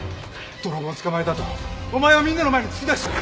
泥棒を捕まえたとお前をみんなの前に突き出してやる。